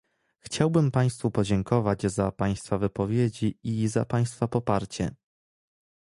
Chciałbym państwu podziękować za państwa wypowiedzi i za państwa poparcie